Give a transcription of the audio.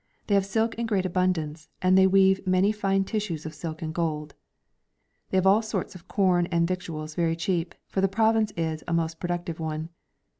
They have silk, in great abundance, and they weave many fine tissues of silk and gold. They have all sorts of corn and victuals very cheap, for the province is a most productive one.